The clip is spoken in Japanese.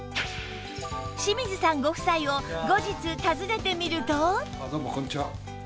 清水さんご夫妻を後日訪ねてみると